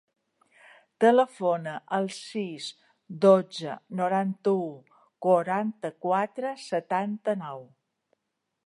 Telefona al sis, dotze, noranta-u, quaranta-quatre, setanta-nou.